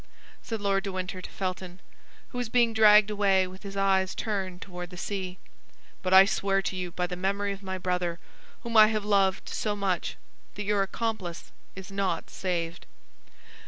said Lord de Winter to Felton, who was being dragged away with his eyes turned toward the sea; "but I swear to you by the memory of my brother whom I have loved so much that your accomplice is not saved."